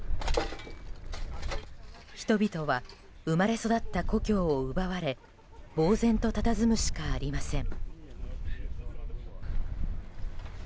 人々は生まれ育った故郷を奪われぼうぜんとたたずむしかありません。